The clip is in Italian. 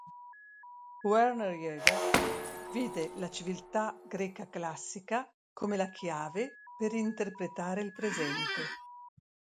Werner Jaeger vide la civiltà greca classica come la chiave per interpretare il presente.